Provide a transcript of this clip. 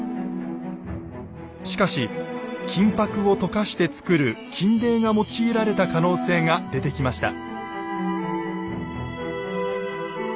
しかし金箔を溶かして作る金泥が用いられた可能性が出てきました。